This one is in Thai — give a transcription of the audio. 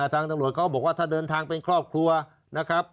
ทางตำรวจเขาบอกว่าถ้าเดินทางเป็นครอบครัวนะครับ